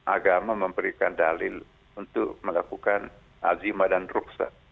agama memberikan dalil untuk melakukan alzima dan ruqsah